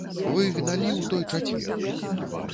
Вы гналі ў той чацвер.